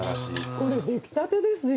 これ出来たてですよ！